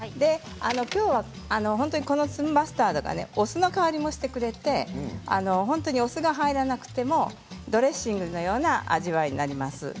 きょうは、この粒マスタードがお酢の代わりもしてくれてお酢が入らなくてもドレッシングのような味わいになります。